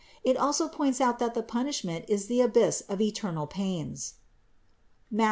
It also points out that the punishment is the abyss of eternal pains (Matth.